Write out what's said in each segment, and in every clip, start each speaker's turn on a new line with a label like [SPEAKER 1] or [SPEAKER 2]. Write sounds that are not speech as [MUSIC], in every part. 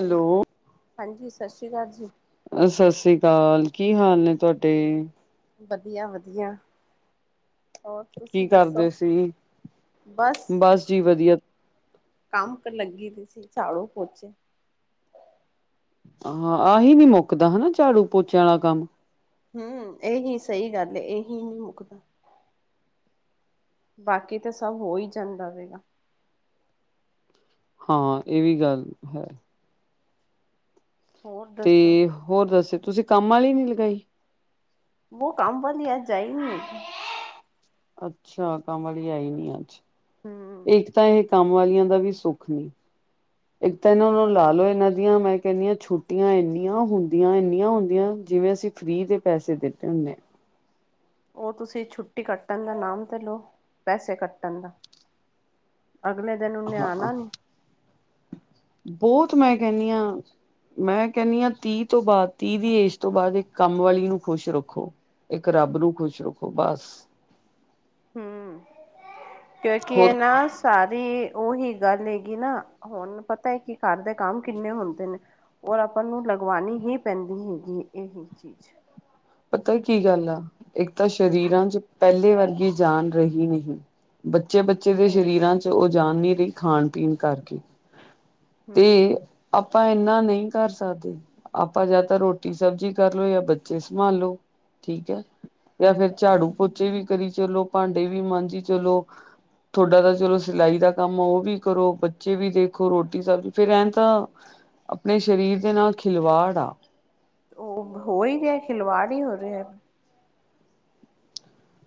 [SPEAKER 1] Hello
[SPEAKER 2] ਹਾਂਜੀ, ਸਤਿ ਸ਼੍ਰੀ ਅਕਾਲ ਜੀ।
[SPEAKER 1] ਸਤਿ ਸ਼੍ਰੀ ਅਕਾਲ, ਕੀ ਹਾਲ ਨੇ ਤੁਹਾਡੇ?
[SPEAKER 2] ਵਧੀਆ ਵਧੀਆ ਹੋਰ ਤੁਸੀਂ
[SPEAKER 1] ਕੀ ਕਰਦੇ
[SPEAKER 2] ਦੱਸੋ
[SPEAKER 1] ਸੀ ਬਸ ਜੀ ਵਧੀਆ
[SPEAKER 2] ਕੰਮ ਲੱਗੀ ਰ ਸੀ [UNINTELLIGIBLE] ਝਾੜੋ ਪੋ
[SPEAKER 1] ਹਾਂ ਆਹੀ ਨੀ ਮੁੱਕਦਾ ਹੈਨਾ ਝਾੜੂ ਪੋਚਿਆਂ ਆਲਾ ਕੰਮ
[SPEAKER 2] ਹਮ ਇਹੀ ਸਹੀ ਗੱਲ ਏ ਇਹੀ ਨਹੀਂ ਮੁੱਕ ਬਾਕੀ ਤਾਂ ਸਭ ਹੋ ਹੀ ਜਾਂਦਾ ਹੋਏਗਾ
[SPEAKER 1] ਹਾਂ ਇਹ ਵੀ ਗੱਲ ਹੈ
[SPEAKER 2] ਹੋਰ
[SPEAKER 1] ਤੇ
[SPEAKER 2] ਦੱਸੋ
[SPEAKER 1] ਹੋਰ ਦੱਸੋ ਤੁਸੀਂ ਕੰਮ ਵਾਲੀ ਨੀ ਲਗਾਈ
[SPEAKER 2] ਉ ਕੰਮ ਵਾਲੀ ਅੱਜ ਆਈ ਨੀ
[SPEAKER 1] ਅੱਛਾ ਕੰਮ ਵਾਲੀ ਆ ਹੀ ਨੀ ਅੱਜ
[SPEAKER 2] ਹਮ
[SPEAKER 1] ਇੱਕ ਤਾਂ ਇਹ ਕੰਮ ਵਾਲੀਆਂ ਦਾ ਵੀ ਸੁੱਖ ਨੀ ਇੱਕ ਤਾਂ ਇਹਨਾਂ
[SPEAKER 2] ਨਾ
[SPEAKER 1] ਨੂੰ ਲਾ
[SPEAKER 2] ਨਾ
[SPEAKER 1] ਲੋ ਇਹਨਾਂ ਦੀਆਂ ਮੈਂ ਕਹਿੰਦੀ ਹਾਂ ਛੁ ਟੀਆਂ ਇੰਨੀਆਂ ਹੁੰਦੀਆਂ ਇੰਨੀਆਂ ਹੁੰਦੀਆਂ ਜਿਵੇਂ ਅਸੀਂ ਫਰੀ ਦੇ ਪੈਸੇ ਦਦੇ ਹੁੰਨਾ ਆ
[SPEAKER 2] ਓਹ ਤੁਸੀਂ ਛੁੱਟੀ ਕੱਟਣ ਦਾ ਨਾਮ ਤੇ ਲਓ ਪੈਸੇ ਕੱਟਣ ਦਾ ਅਗਲੇ ਦਿਨ ਓਨੇ ਆਣਾ ਨੀ
[SPEAKER 1] ਬਹੁਤ ਮੈਂ ਕਹਿੰਨੀ ਆਂ ਮੈਂ ਕਹਿੰਨੀ ਆ ਤੀਹ ਤੋਂ ਬਾਅਦ ਤੀਜ ਦੀ ਏਜ ਤੋਂ ਬਾਅਦ ਇੱਕ ਕੰਮ ਵਾਲੀ ਨੂੰ ਖੁਸ਼ ਰੱਖੋ ਇੱਕ ਰੱਬ ਨੂੰ ਖੁਸ਼ ਰੱਖੋ ਬਸ
[SPEAKER 2] ਹਮ ਕਿਉਂਕਿ
[SPEAKER 1] ਹੋਰ
[SPEAKER 2] ਇਹ ਨਾ ਸਾਰੀ ਉਹੀ ਗੱਲ ਹੈਗੀ ਨਾ ਹੁਣ ਪਤਾ ਕੀ ਕਰਦੇ ਕੰਮ ਕਿੰਨੇ ਹੁੰਦੇ ਨੇ ਔਰ ਆਪਾਂ ਨੂੰ ਲਗਵਾਉਣੀ ਹੀ ਪੈਂਦੀ ਹੈਗੀ ਇਹ ਚੀਜ਼
[SPEAKER 1] ਪਤਾ ਏ ਕਈ ਕੀ ਗੱਲ ਆ ਇੱਕ ਤਾਂ ਸ਼ਰੀਰਾਂ ਚ ਪਹਿਲੀ ਵਰਗੀ ਜਾਨ ਰਹੀ ਨਹੀਂ ਬੱਚੇ ਬੱ ਚੇ ਦੇ
[SPEAKER 2] ਸਹੀ
[SPEAKER 1] ਸਰੀਰਾਂ ਚ ਉਹ ਜਾਨ ਨਹੀਂ ਰਹੀ ਖਾਣ ਪੀਣ ਕਰਕੇ
[SPEAKER 2] ਹਮ
[SPEAKER 1] ਤੇ
[SPEAKER 2] ਹਮ
[SPEAKER 1] ਆਪਾਂ ਇਨਾ ਨਹੀਂ ਕਰ ਸਕਦੇ ਆਪਾਂ ਜਾ ਤਾਂ ਰੋਟੀ ਸਬਜ਼ੀ ਕਰ ਲਓ ਜਾਂ ਬੱਚੇ ਸ ਭਾਲ ਲ਼ੋ ਠੀਕ ਐ ਯਾ ਫਿਰ ਝਾੜੂ ਪੋਚੀ ਵੀ ਕਰੀ ਚਲੋ ਭਾਂਡੇ ਵੀ ਮਾਂਝੀ ਚਲੋ ਥੋਡਾ ਤਾਂ ਚਲੋ ਸਿਲਾਈ ਦਾ ਕੰਮ ਉਹ ਵੀ ਕਰੋ ਬੱਚੇ ਵੀ ਦੇਖੋ ਰੋਟੀ ਸਬ ਫਿਰ ਐ ਤਾਂ ਆਪਣੇ ਸਰੀਰ ਦੇ ਨਾਲ ਖਿਲਵਾੜ ਆ
[SPEAKER 2] ਹੋ ਈ ਰਿਹਾ ਖਿਲਵਾੜ ਹੀਂ ਹੋ ਰਿਹਾ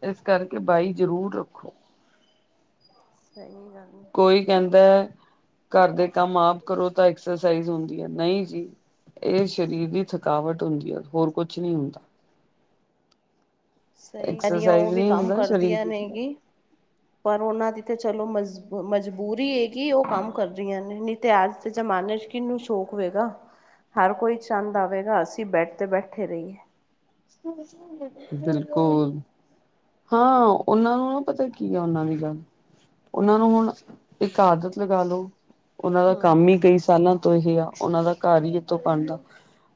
[SPEAKER 1] ਇਸ ਕਰਕੇ ਬਾਈ ਜ਼ਰੂਰ ਰੱਖੋ
[SPEAKER 2] ਸਹੀ ਗੱਲ ਹੈ [INAUDIBLE]
[SPEAKER 1] ਕੋਈ ਕਹਿੰਦਾ ਐ ਘਰ ਦੇ ਕੰਮ ਆਪ ਕਰੋ ਤਾਂ ਐਕਸਰਸਾਈਜ਼ ਹੁੰਦੀ ਐ ਨਹੀਂ ਜੀ ਇਹ ਸਰੀਰ ਦੀ ਥਕਾਵਟ ਹੁੰਦੀ ਐ ਹੋਰ ਕੁਝ ਨਹੀਂ ਹੁੰਦਾ
[SPEAKER 2] ਸਹੀ ਸਾਰੀਆਂ ਉਹ
[SPEAKER 1] ਐਕਸਰਸਾਈਜ਼
[SPEAKER 2] ਵੀ
[SPEAKER 1] ਨਹੀਂ
[SPEAKER 2] ਕੰਮ
[SPEAKER 1] ਹੁੰਦਾ ਸਰੀਰ
[SPEAKER 2] ਕਰਦੀਆਂ
[SPEAKER 1] ਦੀ ਥਕਾ
[SPEAKER 2] ਨੇਗੀ ਪਰ ਉਹਨਾਂ ਦੀ ਤੇ ਚਲੋ ਮਜ ਮਜਬੂਰੀ ਏ ਉਹ ਕੰਮ ਕਰਦੀਆਂ ਨ ਤੇ ਅੱਜ ਦੇ ਜਮਾਨੇ ਚ ਕੀਹਨੂੰ ਨੂੰ ਸ਼ੌਂਕ ਹੋਏਗਾ ਹਰ ਕੋਈ ਚਾਨਦਾ ਹੋਵੇਗਾ ਅਸੀਂ ਬੈਡ ਤੇ ਬੈਠੇ ਰਹੀ
[SPEAKER 1] ਬਿਲਕੁਲ ਹਾਂ ਉਹਨਾਂ ਨੂੰ ਨਾ ਪਤਾ ਕੀ ਆ ਉਹਨਾਂ ਦੀ ਗੱਲ ਉਹਨਾਂ ਨੂੰ ਹੁਣ ਇ ਆਦਤ ਲਗਾ ਲੋ ਉਹਨਾਂ ਦਾ
[SPEAKER 2] ਹਮ
[SPEAKER 1] ਕੰਮ ਈ ਕਈ ਸਾਲਾਂ ਤੋ ਹੀ ਆ ਉਹਨਾਂ ਦਾ ਘਰ ਹੀ ਇਥੋਂ ਬਣਦਾ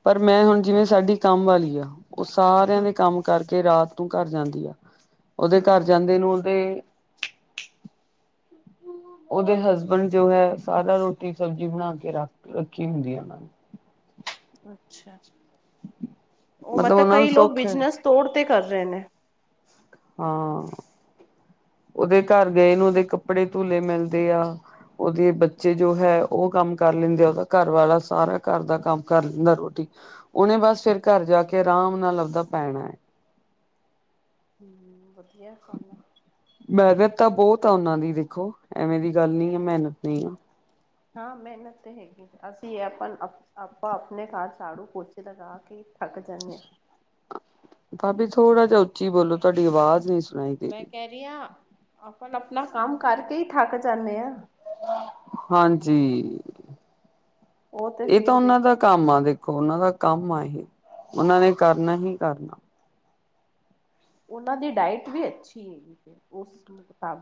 [SPEAKER 1] ਪਰ ਮੈਂ ਹੁਣ ਜਿਵੇਂ ਸਾਡੀ ਕੰਮ ਵਾਲੀ ਆ ਉਹ ਸਾਰਿਆਂ
[SPEAKER 2] ਹਮ
[SPEAKER 1] ਦੇ ਕੰਮ ਕਰਕੇ ਰਾਤ ਨੂੰ ਘਰ ਜਾਂਦੀ ਆ ਉਹਦੇ
[SPEAKER 2] ਹਮ
[SPEAKER 1] ਘਰ ਜਾਂਦੇ ਨੂ ਉਹਦੇ ਉਹਦੇ ਹਸਬੈਂਡ ਜੋ ਹੈ ਸਾਰਾ ਰੋਟੀ ਸਬਜ਼ੀ ਬਣਾ ਕੇ ਰੱਖ ਰੱਖੀ ਹੁੰਦੀ ਹੈ ਓਹਨਾਂ
[SPEAKER 2] ਉਹ
[SPEAKER 1] ਮਤਲਬ
[SPEAKER 2] ਮਤ
[SPEAKER 1] ਉਹਨਾਂ ਨੂੰ
[SPEAKER 2] ਕਈ ਲੋਕ
[SPEAKER 1] ਸੁੱਖ ਹੈ
[SPEAKER 2] ਬਿਜਨਸ ਤੋੜ ਤੇ ਕਰ ਰਹੇ ਨੇ
[SPEAKER 1] ਹਾਂ ਉਹਦੇ ਘਰ ਗਏ ਨੂੰ ਉਹਦੇ ਕੱਪੜੇ ਧੁਲੇ ਮਿਲਦੇ ਆ ਓਹਦੇ ਬੱਚੇ ਜੋ ਹੈ ਓਹ ਕੰਮ ਕਰ ਲੈਂਦੇ, ਓਹਦਾ ਘਰ ਵਾਲਾ ਸਾਰਾ ਘਰ ਦਾ ਕੰਮ ਕਰ ਲੈਂਦਾ ਰੋਟੀ ਓਹਨੇ ਬਸ ਫਿਰ ਘਰ ਜਾ ਕੇ ਆਰਾਮ ਨਾਲ ਆਪਦਾ ਪੈਣਾ,
[SPEAKER 2] ਹਮ ਵਧੀਆ ਕੰਮ
[SPEAKER 1] ਮੈਂਹਨਤ ਤਾ ਬੋਤ ਆ ਓਹਨਾਂ ਦੀ ਦੇਖੋ, ਐਵੇਂ ਦੀ ਗੱਲ ਨਈ ਐ, ਮੈਹਨਤ ਨਈ ਐ,
[SPEAKER 2] ਹਾਂ ਮੈਹਨਤ ਤੇ ਹੈਗੀ। ਅਸੀਂ ਆਪਾਂ-ਆਪਾ ਆਪਣੇ ਘਰ ਝਾੜੂ ਪੋਚੇ ਲਗਾ ਕੇ ਥੱਕ ਜਾਨੇ ਨੇ,
[SPEAKER 1] ਭਾਬੀ ਥੋੜਾ ਜੇਹਾ ਉੱਚੀ ਬੋਲੋ, ਤੁਹਾਡੀ ਆਵਾਜ਼ ਨਹੀਂ ਸੁਣੀ,
[SPEAKER 2] ਮੈਂ ਕੈਹ ਰਈ ਆਂ, ਆਪਾਂ -ਆਪਣਾ ਕੰਮ ਕਰ ਕੇ ਈ ਥੱਕ ਜਾਨੇ ਆ,
[SPEAKER 1] ਹਾਂਜੀ,
[SPEAKER 2] ਉਹ ਤੇ
[SPEAKER 1] ਏ ਤਾਂ
[SPEAKER 2] ਫਿਰ
[SPEAKER 1] ਓਨਾਂ ਦਾ
[SPEAKER 2] ਦੇਖੋ
[SPEAKER 1] ਕੰਮ ਆ ਦੇਖੋ, ਉਨਾਂ ਦਾ ਕੰਮ ਆ ਏ ਓਨਾਂ ਨੇ ਕਰਨਾ ਹੀ ਕਰਨਾ,
[SPEAKER 2] ਉਨਾਂ ਦੀ ਡਾਇਟ ਵੀ ਅੱਛੀ, ਹਾ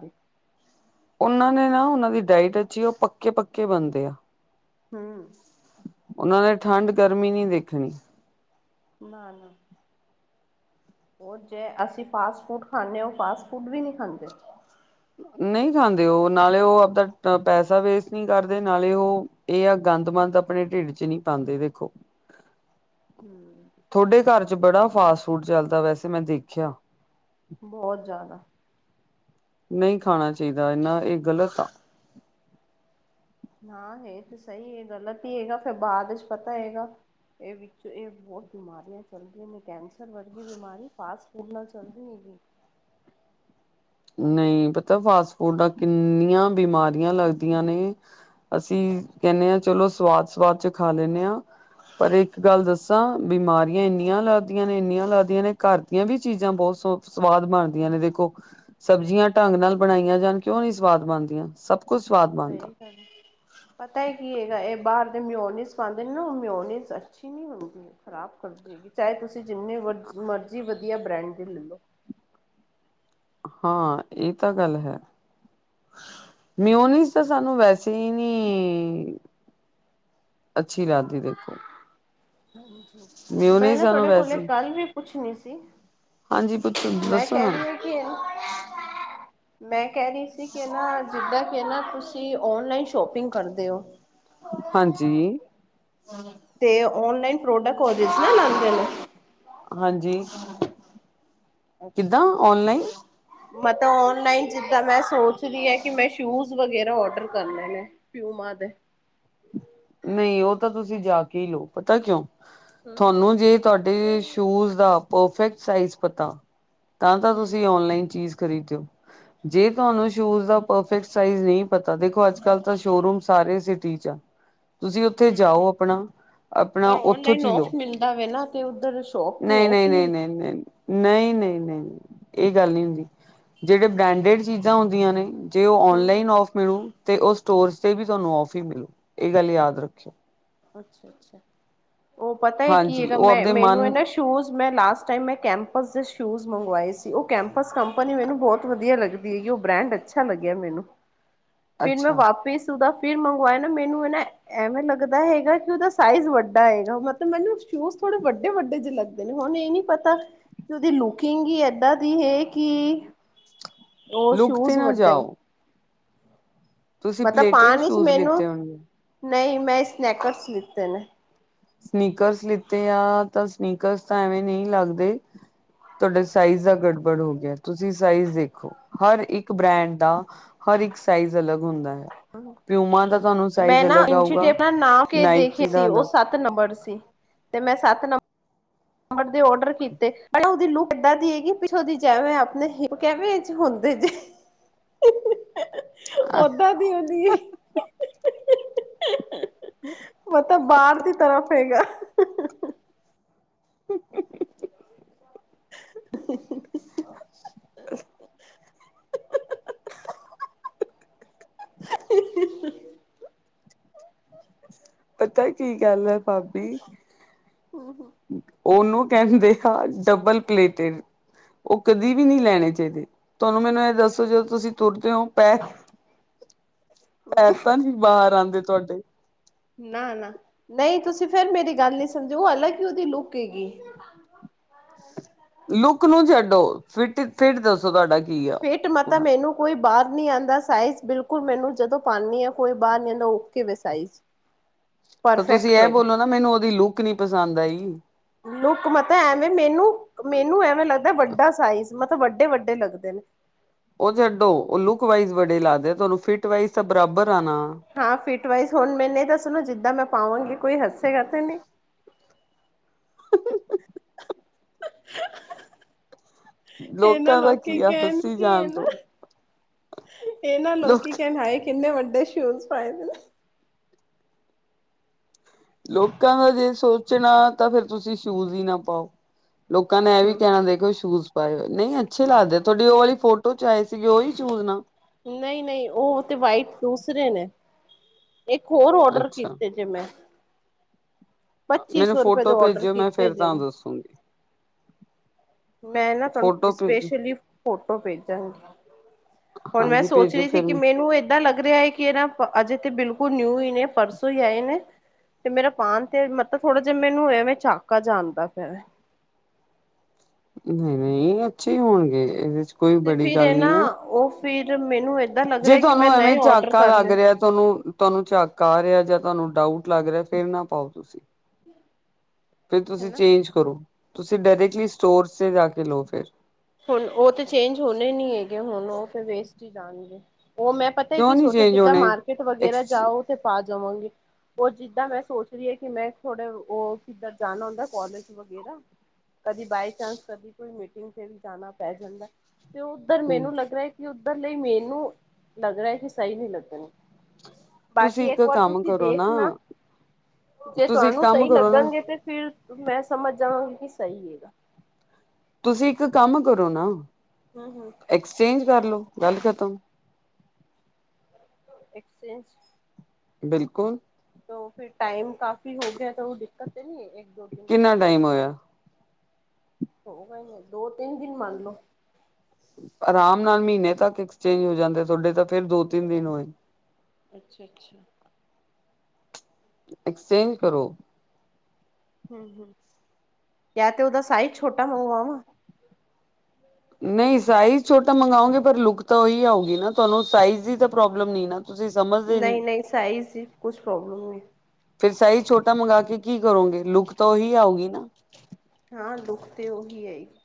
[SPEAKER 1] ਉਨਾਂ ਨੇ ਨਾ ਓਹਨਾਂ ਦੀ ਡਾਇਟ ਅੱਛੀ ਆ ਓ ਪੱਕੇ -ਪੱਕੇ ਬੰਦੇ ਆ,
[SPEAKER 2] ਹਮ
[SPEAKER 1] ਓਨਾਂ ਨੇ ਠੰਡ ਗਰਮੀ ਨਈ ਦੇਖਣੀ,
[SPEAKER 2] ਨਾ -ਨਾ ਓ ਤੇ ਅਸੀਂ ਫਾਸਟ-ਫੂਡ ਖਾਂਦੇ ਆਂ, ਓ ਫਾਸਟ- ਫੂਡ ਵੀ ਨਈ ਖਾਂਦੇ,
[SPEAKER 1] ਨਈ ਖਾਂਦੇ ਓ, ਨਾਲੇ ਓ, ਆਪਦਾ ਪੈਸਾ ਵੇਸਟ ਨਹੀਂ ਕਰਦੇ, ਨਾਲੇ ਓ, ਏ ਆ ਗੰਦ -ਮੰੰਦ ਆਪਣੇ ਢੇੱਡ 'ਚ ਨੀ ਪਾਂਦੇ ਦੇਖੋ।
[SPEAKER 2] ਹੂੰ
[SPEAKER 1] ਥੋਡੇ ਘਰ 'ਚ ਬੜਾ ਫਾਸਟ -ਫੂਡ ਚੱਲਦਾ ਵੈਸੇ ਮੈਂ ਦੇਖੇਆ,
[SPEAKER 2] ਬੋਤ ਜਾਦਾ,
[SPEAKER 1] ਨਈ ਖਾਣਾ ਚਾਇਦਾ ਏਨਾ ਏ ਗ਼ਲਤ ਆ।
[SPEAKER 2] ਹਾਂ ਹੈ ਤੇ ਸ‌ਈ ਏ, ਗ਼ਲਤ ਈ ਹੈਗਾ, ਫੇਰ ਬਾਦ 'ਚ ਪਤਾ ਹੈਗਾ, ਏ ਵਿੱਚ ਏ ਬੋਤ ਬਿਮਾਰੀਆਂ ਚੱਲਦੀਆਂ ਨੇ, ਕੈਂਸਰ ਵਰਗੀ ਬਿਮਾਰੀ ਫਾਸਟ -ਫੂਡ ਨਾਲ ਚੱਲਦੀ ਹੈਗੀ ਏ,
[SPEAKER 1] ਨਈ ਪਤਾ ਫਾਸਟ -ਫੂਡ ਨਾਲ ਕਿੰਨੀਆਂ ਬਿਮਾਰੀਆਂ ਲੱਗਦੀਆਂ ਨੇ। ਅਸੀਂ ਕੇਣੇ ਆਂ ਚਲੋ ਸਵਾਦ -ਸਵਾਦ 'ਚ ਖਾ ਲੈਂਣੈ ਆਂ। ਪਰ ਇੱਕ ਗੱਲ ਦੱਸਾਂ, ਬਿਮਾਰੀਆਂ ਏਨੀਆਂ ਲੱਗਦੀਆਂ ਨੇ, ਏਨੀਆਂ ਲੱਗਦੀਆਂ ਨੇ, ਘਰ ਏ ਵੀ ਚੀਜ਼ਾਂ ਬੋਤ ਸ ਸਵਾਦ ਬਣਦੀਆਂ ਨੇ ਦੇਖੋ, ਸਬਜ਼ੀਆਂ ਢੰਗ ਨਾਲ ਬਣਾਈਆਂ ਜਾਣ, ਕਿਓ ਨੀ ਸਵਾਦ ਬਣਦੀਆਂ। ਸਭ ਕੁਛ ਸਵਾਦ ਬਣਦਾ।
[SPEAKER 2] ਸਹੀ ਗੱਲ ਪਤਾ ਏ ਕੀ ਹੈਗਾ, ਏ ਬਾਰ ਦੇ ਮਿਓਨੀਸ ਪਾਂਦੇ ਨੇ ਨਾ, ਓ ਮਿਓਨੀਸਅੱਛੀ ਨੀ ਹੁੰਦੀ, ਖ਼ਰਾਬ ਕਰਦੀ ਹੈਗੀ, ਚਾਏ ਤੁਸੀਂ ਜਿੰਨੀ ਮਰਜ਼ੀ ਵਧੀਆ ਬ੍ਰੈਂਡ ਦੀ ਲੈਲੋ,
[SPEAKER 1] ਹਾਂ ਏ ਤਾਂ ਗੱਲ ਹੈ। ਮਿਓਨੀਸ ਤਾਂ ਸਾਨੂੰ ਵੈਸੇ ਈ, ਨੀ ਅੱਛੀ ਲਾ ਕੇ ਵੇਖੋ।
[SPEAKER 2] ਹਾਂਜੀ -ਮੈਂ ਨਾ
[SPEAKER 1] ਸਾਨੂੰ
[SPEAKER 2] ਤੁਆਡੇ ਕੋਲ‌
[SPEAKER 1] ਵੈਸੇ
[SPEAKER 2] ਇਕ ਗੱਲ ਵੀ ਪੁੱਛਣੀ ਸੀ।
[SPEAKER 1] ਹਾਂਜੀ ਪੁੱਛੋ- ਦੱਸੋ ਨਾ।
[SPEAKER 2] ਮੈਂ ਕੈ, ਰੀ, ਸੀ, ਕਿ, ਨਾ ਜਿੱਦਾਂ ਕੇ ਨੇ ਤੁਸੀਂ- ਕੀ ਔਨਲਾਈਨ ਸ਼ੋਪਿੰਗ ਕਰਦੇ ਓ।
[SPEAKER 1] ਹਾਂਜੀ।
[SPEAKER 2] ਤੇ ਓਨਲਾਈਨ ਪ੍ਰੋਡਕਟ ਓਂਦੇ ਸੀ ਨਾ ਓਰਿਜਨਲ ਆਂਦੇ ਨੇ।
[SPEAKER 1] ਹਾਂਜੀ। ਕਿੱਦਾਂ
[SPEAKER 2] ਅੱਛਾ
[SPEAKER 1] ਔਨਲਾਈਨ
[SPEAKER 2] -ਮਤਲਬ ਓਨਲਾਈਨ ਜਿੱਦਾਂ ਮੈਂ ਸੋਚ ਰੀ ਆਂ ਕਿ ਮੈਂ ਸ਼ੂਜ- ਊਜ਼ ਵਗੈਰਾ ਔਡਰ ਕਰਨੇ ਨੇ, ਪਿਊਮਾ ਦੇ,
[SPEAKER 1] ਨਈ ਓ ਤਾਂ ਤੁਸੀਂ ਜਾ ਕੇ ਈ ਲਓ, ਪਤਾ ਕਿਓ
[SPEAKER 2] ਹੂੰ,
[SPEAKER 1] ਥਾਨੂੰ ਜੇ ਤਾਡੇ ਸ਼ੂਜ ਦਾ ਪਰਫੈਕਟ ਸਾਈਜ਼ ਪਤਾ ਤਾਂ- ਤਾਂ
[SPEAKER 2] ਹੂੰ।
[SPEAKER 1] ਤੁਸੀਂ ਓਨਲਾਈਨ ਚੀਜ਼- ਖਰੀਦੇ ਓ। ਜੇ ਤੁਆਨੂੰ ਸ਼ੂਜ ਦਾ ਪਰਫੈਕਟ ਸਾਈਜ ਨਈ ਪਤਾ ਦੇਖੋ ਅੱਜ ਕਲ ਤਾਂ ਸ਼ੋਰੂਮ ਸਾਰੇ ਸਿਟੀ 'ਚ ਆ। ਤੁਸੀਂ ਓਥੇ ਜਾਓ ਆਪਣਾ- ਆਪਣਾ
[SPEAKER 2] ਪਰ
[SPEAKER 1] ਓਥੋਂ
[SPEAKER 2] ਔਨਲਾਈਨ
[SPEAKER 1] ਚੀ
[SPEAKER 2] ਔਫ
[SPEAKER 1] ਲੋ।
[SPEAKER 2] ਮਿਲਦਾ ਵੇ ਨਾ ਤੇ ਉੱਧਰ ਸ਼ੋਪ ਤੇ
[SPEAKER 1] ਨਈ,
[SPEAKER 2] ਔਫ
[SPEAKER 1] ਨਈ,
[SPEAKER 2] ਨੀ
[SPEAKER 1] ਨਈ,
[SPEAKER 2] ਹੈ।
[SPEAKER 1] ਨਈ। ਨਈ, ਨਈ, ਨਈ ਏ ਗੱਲ ਨੀ ਹੁੰਦੀ। ਜੇੜੇ ਬ੍ਰੇਂਡੇਡ ਚੀਜ਼ਾਂ ਹੁੰਦੀਆਂ ਨੇ ਜੇ ਓ
[SPEAKER 2] ਹੂੰ,
[SPEAKER 1] ਔਨਲਾਈਨ ਔਫ ਮਿਲੂ ਤੇ ਓ ਸਟੋਰਸ ਤੇ ਵੀ ਤੁਆਨੂੰ ਔਫ ਈ ਮਿਲੂ, ਏ ਗੱਲ ਯਾਦ ਰੱਖਿਓ।
[SPEAKER 2] ਅੱਛਾ-ਅੱਛਾ ਓ ਪਤਾ ਐ ਕੀ
[SPEAKER 1] ਹਾਂਜੀ
[SPEAKER 2] ਏਗਾ
[SPEAKER 1] ਉਹ
[SPEAKER 2] ਮੈਂ
[SPEAKER 1] ਆਪਦੇ
[SPEAKER 2] ਮੈਨੂੰ ਏ
[SPEAKER 1] ਮਨ
[SPEAKER 2] ਨਾ ਸੋ- ਸ਼ੂਜ਼ ਮੈਂ ਲਾਸਟ ਟਾਈਮ ਮੈਂ ਕੈਂਪਸ ਦੇ ਸ਼ੂਜ਼ ਮੰਗਵਾਏ ਸੀ। ਓ ਕੈਂਪਸ ਕੰਪਨੀ ਮੈਨੂੰ ਬੋਤ ਵਧੀਆ ਲੱਗਦ ਦੀ ਗੀ ਓ ਬ੍ਰੈਂਡ ਅੱਛਾ ਲੱਗਿਆ ਮੈਨੂੰ। ਫਿਰ ਮੈਂ
[SPEAKER 1] ਅੱਛਾ
[SPEAKER 2] ਵਾਪਿਸ ਊਦਾ ਫਿਰ ਮੰਗਵਾਏ ਨੇ ਮੈਨੂੰ ਏ ਨਾ ਐਵੇਂ ਲੱਗਦ ਦਾ ਹੇਗਾ ਕੀ ਓਦਾ ਸਾਈਜ਼ ਵੱਡਾ ਏਗਾ ਮਤਬ ਮੈਨੂੰ ਸ਼ੂਜ ਥੋੜੇ ਵੱਡੇ-ਵੱਡੇ ਜੇ ਲੱਗਦੇ ਨੇ ਹੁਨ ਏ ਨੀ ਪਤਾ ਕਿ ਓਦੀ ਲੁਕਿੰਗ ਈ ਏਦਾਂ ਦੀ ਹੇ ਕੀ ਓ
[SPEAKER 1] ਲੁੱਕ ਤੇ
[SPEAKER 2] ਸ਼ੂਜ
[SPEAKER 1] ਨਾ
[SPEAKER 2] ਵੱਡੇ ਨ
[SPEAKER 1] ਜਾਓ ਤੁਸੀਂ
[SPEAKER 2] ਮੈ ਤਾਂ
[SPEAKER 1] ਪਲੇਟਡ
[SPEAKER 2] ਪਾਨ ਚ
[SPEAKER 1] ਸ਼ੂਜ
[SPEAKER 2] ਮੈਨੂੰ
[SPEAKER 1] ਲਿੱਤੇ ਹੋਣਗੇ
[SPEAKER 2] ਨਈ ਮੈਂ ਸਨੈਕਰਸ ਲਿਤੇ ਨੇ।
[SPEAKER 1] ਸਨੀਕਰਸ ਲਿੱਤੇ ਆ ਤਾਂ ਸਨੀਕਰਸ ਤਾਂ ਐਵੇਂ ਨੀ ਲੱਗਦੇ। ਤੋੜੇ ਸਾਇਜ ਦਾ ਗੜਬੜ ਹੋ ਗਿਆ। ਤੁਸੀਂ ਸਾਇਜ ਦੇਖੋ, ਹਰ ਇੱਕ ਬ੍ਰੈਂਡ ਦਾ ਹਰ ਇੱਕ ਸਾਈਜ਼ ਅਲੱਗ ਹੁੰਦਾ ਹੈ। ਪਿਊਮਾ ਦਾ ਤੁਹਾਨੂੰ
[SPEAKER 2] ਮੈਂ
[SPEAKER 1] ਸਾਈਜ਼
[SPEAKER 2] ਨਾ
[SPEAKER 1] ਅਲੱਗ ਆਊਗਾ
[SPEAKER 2] ਇਨਚੀਟੇਪ ਨਾ ਨਾਪ ਕੇ ਦੇਖੇ
[SPEAKER 1] ਨਾਇਕੀ ਦਾ
[SPEAKER 2] ਸੀ ਓ
[SPEAKER 1] ਅਲੱਗ
[SPEAKER 2] ਸੱਤ ਤ ਨੰਬੜ ਸੀ ਤੇ ਮੈਂ ਸੱਤ ਨੰਬ ਰ ਦੇ ਓਡਰ ਕੀਤੇ ਪਰ ਓਦੀ ਲੁੱਕ ਏਦਾਂ ਦੀ ਐਗੀ ਪਿੱਛੋਂ ਦੀ ਜੇਂਵੇ ਆਪਨੇ [UNINTELLIGIBLE] ਕੇਂਵੇ- ਚ ਹੁੰਦੇ ਜੇ। ਓਦਾਂ ਦੀ ਉਦੀ ਮਲਬ ਬਾਰ ਦੀ ਤਰਫ ਹੈਗਾ। [INAUDIBLE]
[SPEAKER 1] [INAUDIBLE] ਪਤਾ ਕੀ ਗੱਲ ਹੈ ਭਾਬ
[SPEAKER 2] ਹੂੰ, ਹੂੰ।
[SPEAKER 1] ਓਨੂੰ ਕਹਿੰਦੇ ਆ ਡਬਲ ਪਲੇਟਡ। ਓ ਕਦੀ ਵੀ ਨੀ ਲੈਣੇ ਚਾਈਦੇ। ਤੁਹਾਨੂੰ ਮੈਨੂੰ ਐ ਦੱਸੋ ਜਦੋਂ ਤੁਸੀਂ ਤੁਰਦੇ ਓ ਪੈ ਪੈਰ ਤਾਂ ਨੀ ਬਾਰ ਆਂਦੇ ਤੁਹਾਡੇ?
[SPEAKER 2] ਨਾ, ਨਾ ਨਈ ਤੁਸੀਂ ਫੇਰ ਮੇਰੀ ਗੱਲ ਨੀ ਸਮਝੇ ਓ ਅਲੱਗ ਈ ਓਦੀ ਲੁੱਕ ਹੈਗੀ।
[SPEAKER 1] ਲੁੱਕ ਨੂੰ ਛੱਡੋ ਫਿਟ ਫਿੱਟ ਦੱਸੋ ਤੁਹਾਡਾ ਕੀ ਆ?
[SPEAKER 2] ਫਿੱਟ ਮਤਾ
[SPEAKER 1] ਉਹਦਾ
[SPEAKER 2] ਮੈਨੂੰ ਕੋਈ ਬਾਰ ਨੀ ਆਂਦਾ ਸਾਈਜ਼ ਬਿਲਕੁਲ ਮੈਨੂੰ ਜਦੋਂ ਪਾਨੀ ਆਂ ਕੋਈ ਬਾਰ ਨੀ ਆਂਦਾ ਓਕੇ ਵੇ ਸਾਈਜ਼।
[SPEAKER 1] ਤਾਂ ਤੁਸੀਂ
[SPEAKER 2] ਪਰਫੈਕਟ
[SPEAKER 1] ਐ
[SPEAKER 2] ਹੈਗਾ
[SPEAKER 1] ਬੋਲੋ ਨਾ ਮੈਨੂੰ ਓਦੀ ਲੁੱਕ ਨੀ ਪਸੰਦ ਆਈ।
[SPEAKER 2] ਲੁੱਕ ਮਤਲਬ ਐਵੇਂ ਮੈਨੂੰ, ਮੈਨੂੰ ਐਵੇਂ ਲੱਗਦਾ ਵੱਡਾ ਸਾਈਜ਼ ਮਤ ਵੱਡੇ-ਵੱਡੇ ਲੱਗਦੇਨ।
[SPEAKER 1] ਓ ਛੱਡੋ ਓ ਲੁੱਕ ਵਾਈਜ਼ ਬੜੇ ਲੱਗਦੇ ਤੁਹਾਨੂੰ ਫਿਟ ਵਾਈਜ਼ ਤਾਂ ਬਰਾਬਰ ਆ ਨਾ।
[SPEAKER 2] ਹਾਂ ਫਿਟ ਵਾਈਜ਼ ਹੁਣ ਮੈਨ ਏ ਦਸੋਂ ਜਿੱਦਾਂ ਮੈਂ ਪਾਵਾਂਗੀ ਕੋਈ ਹੱਸੇਗਾ ਤੇ ਨੀ। ਏ ਨਾ
[SPEAKER 1] ਲੋਕਾਂ ਦਾ
[SPEAKER 2] ਲੋਕੀ
[SPEAKER 1] ਕੀ ਆ
[SPEAKER 2] ਕਹਿਣ
[SPEAKER 1] ਹੱਸੀ
[SPEAKER 2] ਕੀ ਏ
[SPEAKER 1] ਜਾਣ
[SPEAKER 2] ਨਾ
[SPEAKER 1] ਦੋ
[SPEAKER 2] ਏ ਨਾ
[SPEAKER 1] ਲੋਕ
[SPEAKER 2] ਲੋਕੀ ਕਹਨ ਹਾਏ ਕਿੰਨੇ ਵੱਡੇ ਸ਼ੂਜ ਪਾਏ ਦੇਨ।
[SPEAKER 1] ਲੋਕਾਂ ਦਾ ਜੇ ਸੋਚਣਾ ਤਾਂ ਫੇਰ ਤੁਸੀਂ ਸ਼ੂਜ ਈ ਨਾ ਪਾਓ। ਲੋਕਾਂ ਨੇ ਐ ਵੀ ਕਹਣਾ ਦੇਖੋ ਸ਼ੂਜ ਨਹੀਂ ਅੱਛੇ ਲੱਗਦੇ ਤੁਆਡੀ ਉਹ ਵਾਲੀ ਫੋਟੋ ਚ ਆਏ ਸੀਗੇ ਓਈ ਸੂ਼ਜ ਨਾ
[SPEAKER 2] ਨਈ-ਨਈ ਓ ਤੇ ਵਾਈਟ ਦੂਸਰੇ ਨੇ ਇੱਕ ਹੋਰ ਓਡਰ
[SPEAKER 1] ਅੱਛਾ
[SPEAKER 2] ਕੀਤੇ ਜੇ ਮੈਂ ਪੱਚੀ
[SPEAKER 1] ਮੈਨੂੰ
[SPEAKER 2] ਸੌ ਰੁਪਏ
[SPEAKER 1] ਫੋਟੋ
[SPEAKER 2] ਦੇ ਔਡਰ
[SPEAKER 1] ਪੇਜੇਓ ਮੈਂ
[SPEAKER 2] ਕੀਤੇ
[SPEAKER 1] ਫੇਰ
[SPEAKER 2] ਜੇ
[SPEAKER 1] ਤਾਨੂੰ ਦੱਸੂੰਗੀ।
[SPEAKER 2] ਮੈਂ ਨਾ ਤਾਨੂੰ
[SPEAKER 1] ਫੋਟੋ ਭੇਜ
[SPEAKER 2] ਸਪੇਸ਼ਲੀ ਫੋਟੋ ਪੇਜਾਂਗੀ। ਹੁਣ ਮੈਂ
[SPEAKER 1] ਹਾਂਜੀ
[SPEAKER 2] ਸੋਚ
[SPEAKER 1] ਭੇਜੋ
[SPEAKER 2] ਰੀ ਥੀ
[SPEAKER 1] ਫਿਰ
[SPEAKER 2] ਕਿ ਮੈਨੂੰ ਏ ਏਦਾ ਲੱਗ ਰੇਹਾ ਏ ਕਿ ਏ ਨਾ ਅਜੇ ਤੇ ਬਿਲਕੁਲ ਨਿਊ ਈ ਨੇ ਪਰਸੋਂ ਈ ਆਏ ਨੇ। ਤੇ ਮੇਰਾ ਪਾਣ ਤੇ ਮਤਲਬ ਥੋੜਾ ਜੇਹਾ ਮੈਨੂੰ ਐਵੇਂ ਚਾਕਾ ਆਂਦਾ ਪਤਾ ਵੇ।
[SPEAKER 1] ਨਈ-ਨਈ ਅੱਛੇ ਹੀ ਹੋਣਗੇ ਏਦੇ ਚ ਕੋਈ
[SPEAKER 2] ਤੇ
[SPEAKER 1] ਬੜੀ
[SPEAKER 2] ਫਿਰ ਇਹ
[SPEAKER 1] ਗੱਲ
[SPEAKER 2] ਨਾ
[SPEAKER 1] ਨੀ ਆ।
[SPEAKER 2] ਉਹ ਫਿਰ ਮੈਨੂੰ ਏ
[SPEAKER 1] ਜੇ ਤੁਆਨੂੰ ਐਵੇਂ ਝਾਕਾ ਲੱਗ ਰੇਆ ਤਾਨੂੰ ਤਾਨੂੰ ਝਾਕਾ ਆ ਰੇਆ ਤਾਨੂੰ ਡਾਊਟ ਲੱਗ ਰਿਹਾ ਫੇਂਰ ਨਾ ਪਾਓ ਤੁਸੀਂ। ਫਿਰ ਤੁਸੀਂ
[SPEAKER 2] ਹਨਾ
[SPEAKER 1] ਚੇਂਜ ਕਰੋ ਤੁਸੀਂ ਡਾਇਰੈਕਟਲੀ ਸਟੋਰ ਤੇ ਜਾ ਕੇ ਲੋ ਫੇਰ
[SPEAKER 2] ਹੁਣ ਓ ਤੇ ਚੇਂਜ ਹੋਣੇ ਨੀ ਹੈਗੇ ਹੁਣ ਓ ਤੇ ਵੇਸਟ ਹੀ ਜਾਣਗੇ ਓ ਮੈਂ ਪਤਾ
[SPEAKER 1] ਕਿਉਂ
[SPEAKER 2] ਕੀ
[SPEAKER 1] ਨਹੀਂ
[SPEAKER 2] ਸੋਚਯਾ
[SPEAKER 1] ਚੇਂਜ
[SPEAKER 2] ਜਿੱਦਾਂ
[SPEAKER 1] ਹੋਣੇ
[SPEAKER 2] ਮਾਰਕੀਟ ਵਗੈਰਾ
[SPEAKER 1] ਐਕਸ
[SPEAKER 2] ਜਾਓ ਤੇ ਪਾ ਜਾਵਾਂਗੀ। ਓ ਜਿੱਦਾਂ ਮੈਂ ਸੋਚ ਰਹੀ ਆ ਕਿ ਮੈਂ ਥੋੜੇ ਓ ਕਿੱਧਰ ਜਾਣਾ ਹੁੰਦਾ ਕੋਲਜ ਵਗੈਰਾ ਕਦੀ ਬਾਈ ਚਾਂਸ ਕਦੀ ਕੋਈ ਮੀਟਿੰਗ ਤੇ ਵੀ ਜਾਣਾ ਪੈ ਜਾਂਦਾ ਤੇ ਉੱਧਰ
[SPEAKER 1] ਹਮ
[SPEAKER 2] ਮੈਨੂੰ ਲੱਗਦਾ ਕਿ ਉੱਧਰ ਲਈ ਮੈਨੂੰ ਲੱਗਦਾ ਕਿ ਸਈ ਨੀ ਲੱਗਣ ਗੇ।
[SPEAKER 1] ਤੁਸੀਂ
[SPEAKER 2] ਬਾਕੀ ਇੱਕ ਵਾਰ
[SPEAKER 1] ਕੰਮ
[SPEAKER 2] ਤੁਸੀਂ
[SPEAKER 1] ਕਰੋ
[SPEAKER 2] ਦੇਖ ਨਾ ਜੇ
[SPEAKER 1] ਤੁਸੀਂ ਇੱਕ
[SPEAKER 2] ਤੁਆਨੂੰ
[SPEAKER 1] ਕੰਮ
[SPEAKER 2] ਸਈ
[SPEAKER 1] ਕਰੋ ਨਾ
[SPEAKER 2] ਲੱਗਣਗੇ ਤੇ ਫਿਰ ਮੈਂ ਸਮਝ ਜਾਵਾਂਗੀ ਕਿ ਸਈ ਏ।
[SPEAKER 1] ਤੁਸੀਂ ਇੱਕ ਕੰਮ ਕਰੋ ਨਾ
[SPEAKER 2] ਹੂੰ ਹੂੰ
[SPEAKER 1] ਐਕਸਚੇਂਜ ਕਰ ਲੋ ਗੱਲ ਖਤਮ
[SPEAKER 2] ਐਕਸਚੇਂਜ
[SPEAKER 1] ਬਿਲਕੁਲ।
[SPEAKER 2] ਤੋ ਫਿਰ ਟਾਈਮ ਕਾਫ਼ੀ ਹੋ ਗਯਾ ਤਾਂ ਓ ਦਿੱਕਤ ਤੇ ਨੀ ਇੱਕ-ਦੋ ਦਿਨ
[SPEAKER 1] ਕਿੰਨਾ
[SPEAKER 2] ਉਪਰ
[SPEAKER 1] ਟਾਈਮ ਹੋਇਆ
[SPEAKER 2] ਹੋ ਗਏ ਨੇ ਦੋ-ਤਿੰਨ ਦਿਨ ਮੰਨਲੋ
[SPEAKER 1] ਆਰਾਮ ਨਾਲ ਮੀਨੇ ਤੱਕ ਐਕਸਚੇਂਜ ਹੋ ਜਾਂਦੇ ਤੁਆਡੇ ਤਾਂ ਫੇਿਰ ਦੋ-ਤਿੰਨ ਦਿਨ ਹੋਏ।
[SPEAKER 2] ਅੱਛਾ-ਅੱਛਾ।
[SPEAKER 1] ਐਕਸਚੇਂਜ ਕਰੋ।
[SPEAKER 2] ਹੂੰ-ਹੂੰ ਯਾ ਤੇ ਓਦਾ ਸਾਈਜ਼ ਛੋਟਾ ਮੰਗਵਾਵਾ।
[SPEAKER 1] ਨਈ ਸਾਈਜ਼ ਛੋਟਾ ਮੰਗਓਗੇ ਪਰ ਲੁੱਕ ਤਾਂ ਓਈ ਆਊਗੀ ਨਾ ਤਾਨੂੰ ਸਾਈਜ਼ ਦੀ ਤਾਂ ਪ੍ਰੋਬਲਮ ਨੀ ਨਾ। ਤੁਸੀਂ ਸਮਝ
[SPEAKER 2] ਨਈ-ਨਈ ਸਾਈਜ਼ ਦੀ ਕੁਛ ਪ੍ਰੋਬਲਮ ਨੀ।
[SPEAKER 1] ਫਿਰ ਸਾਈਜ਼ ਛੋਟਾ ਮੰਗ ਕੇ ਕੀ ਕਰੋਂਗੇ ਲੁੱਕ ਤਾਂ ਓਹੀ ਆਉਗੀ ਨਾ।
[SPEAKER 2] ਹਾਂ ਲੁੱਕ ਤੇ ਓਹੀ ਆਏਗੀ।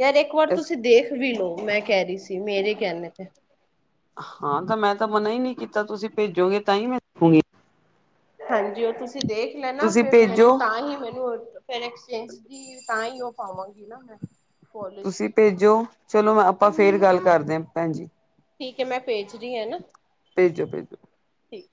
[SPEAKER 2] ਯਾਰ ਇੱਕ ਵਾਰ
[SPEAKER 1] ਇਸ
[SPEAKER 2] ਤੁਸੀਂ ਦੇਖ ਵੀ ਲੋ ਮੈਂ ਕੈ ਰੀ ਸੀ ਮੇਰੇ ਕੈਣੇ ਤੇ।
[SPEAKER 1] ਹਾਂ ਤਾਂ ਮੈਂ ਤਾਂ ਮਨਾ ਈ ਨੀ ਕੀਤਾ ਤੁਸੀਂ ਪੇਜੋਗੇ ਤਾਂ ਹੀ ਮੈਂ ਦੇਖੂਂਗੀ।
[SPEAKER 2] ਹਾਂਜੀ ਓ ਤੁਸੀਂ ਦੇਖ ਲੈਣਾ
[SPEAKER 1] ਤੁਸੀਂ
[SPEAKER 2] ਫਿਰ ਮੈਨੂੰ
[SPEAKER 1] ਭੇਜੋ
[SPEAKER 2] ਤਾਂ ਹੀ ਮੈਨੂੰ ਫਿਰ ਐਕਸਚੇਂਜ ਦੀ ਤਾਂ ਈ ਓ ਪਾਵਾਂਗੀ ਨਾ ਮੈਂ। ਪੋਲਿਸੀ
[SPEAKER 1] ਤੁਸੀਂ ਪੇਜੋ ਚਲੋ ਆਪਾਂ ਫੇਰ ਗੱਲ ਕਾਰਦੇ ਆ ਪੈਣਜੀ।
[SPEAKER 2] ਠੀਕ ਏ ਮੈਂ ਪੇਜ ਰੀ ਆ ਨਾ।
[SPEAKER 1] ਪੇਜੋ-ਪੇਜੋ।
[SPEAKER 2] ਠੀਕ